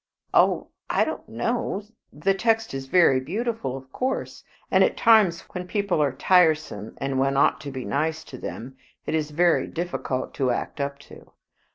"Oh, I don't know. The text is very beautiful, of course, and at times, when people are tiresome and one ought to be nice to them, it is very difficult to act up to.